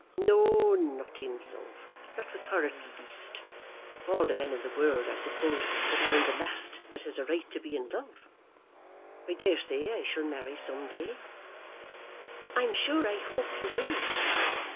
"No; not in love, not with her at least. Of all men in the world, I suppose that I am the last that has a right to be in love. I daresay I shall marry some day." "I'm sure I hope you will."